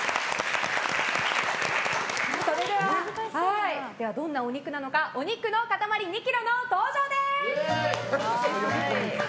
それでは、どんなお肉なのかお肉の塊２ｋｇの登場です！